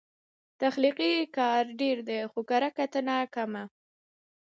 تخلیقي کار ډېر دی، خو کرهکتنه کمه